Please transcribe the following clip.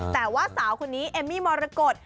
แต่ว่าสาวคนนี้เอมมี่มรกฏ